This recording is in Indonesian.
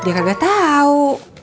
dia kagak tahu